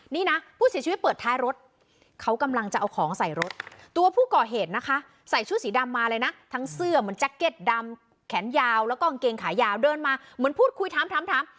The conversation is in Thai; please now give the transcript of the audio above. นี่นะผู้เสียชีวิตเปิดท้ายรถเขากำลังจะเอาของใส่รถตัวผู้ก่อเหตุนะคะใส่ชุดสีดำมาเลยนะทั้งเสื้อเหมือนแจ็คเก็ตดำแขนยาวแล้วก็กางเกงขายาวเดินมาเหมือนพูดคุยถามถาม